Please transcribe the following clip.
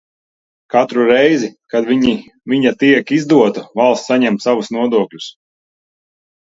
Katru reizi, kad viņa tiek izdota, valsts saņem savus nodokļus.